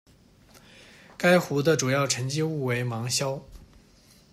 该湖的主要沉积物为芒硝。